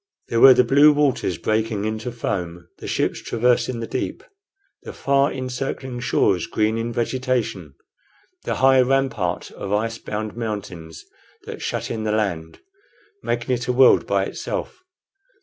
There were the blue waters breaking into foam, the ships traversing the deep, the far encircling shores green in vegetation, the high rampart of ice bound mountains that shut in the land, making it a world by itself.